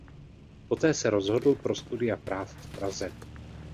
Po té se rozhodl pro studia práv v Praze.